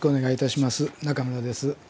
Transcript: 中村です。